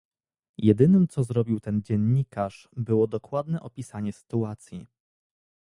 Jedynym co zrobił ten dziennikarz, było dokładne opisanie sytuacji